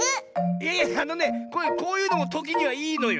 いやいやあのねこういうのもときにはいいのよ。